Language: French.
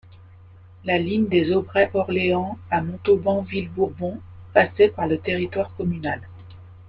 La ligne des Aubrais - Orléans à Montauban-Ville-Bourbon passait par le territoire communal.